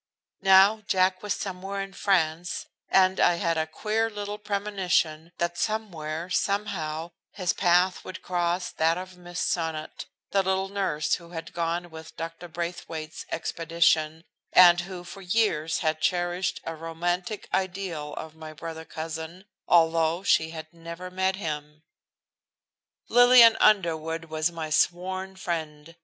Now Jack was "somewhere in France," and I had a queer little premonition that somewhere, somehow, his path would cross that of Miss Sonnot, the little nurse, who had gone with Dr. Braithwaite's, expedition, and who for years had cherished a romantic ideal of my brother cousin, although she had never met him. Lillian Underwood was my sworn friend.